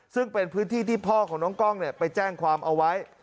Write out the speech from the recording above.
ซึ่งเป็นพื้นที่ที่พ่อของน้องกล้องไปแจ้งความเอาไว้